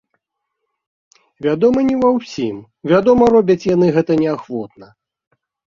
Вядома, не ва ўсім, вядома, робяць яны гэта неахвотна.